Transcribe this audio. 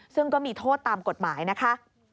ซึ่งก็มีโทษตามกฎหมายนะคะ